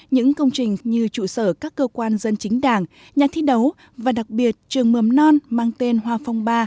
những công trình như trụ sở các cơ quan dân chính đảng nhà thi đấu và đặc biệt trường mầm non mang tên hoa phong ba